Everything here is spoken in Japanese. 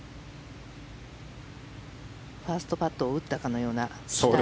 ファーストパットを打ったかのような。